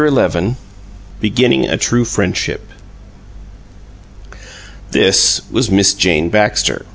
XI BEGINNING A TRUE FRIENDSHIP This was Miss Jane Baxter.